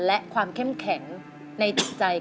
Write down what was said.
และความเข้มแข็งในจิตใจ